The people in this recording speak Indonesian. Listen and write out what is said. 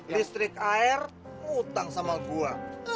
listrik air utang sama gue